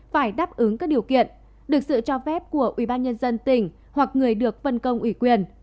phải đáp ứng các điều kiện được sự cho phép của ubnd tỉnh hoặc người được phân công ủy quyền